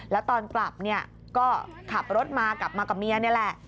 แล้วตอนกลับเนี่ยก็ขับรถมากลับมากับเมียนี่แหละ